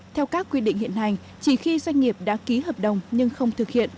theo các quy định hiện hành chỉ khi doanh nghiệp đã ký hợp đồng nhưng không thực hiện